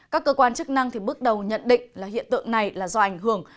các cơ quan chức năng bước đầu nhận định là hiện tượng này là do ảnh hưởng